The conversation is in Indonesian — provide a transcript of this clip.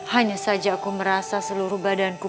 hanya saja aku merasa seluruh badanku